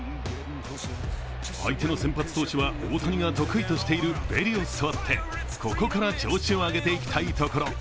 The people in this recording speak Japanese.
相手の先発投手は大谷が得意としているベリオスとあってここから調子を上げていきたいところ。